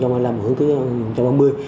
ở hướng tới hai nghìn ba mươi